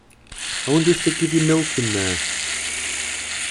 I wonder if they’d give you milk in there?